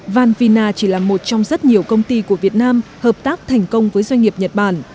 van vina chỉ là một trong rất nhiều công ty của việt nam hợp tác thành công với doanh nghiệp nhật bản